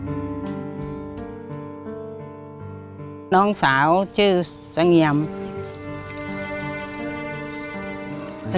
เป็นน้องสาวชื่อสงเอ๋ยำ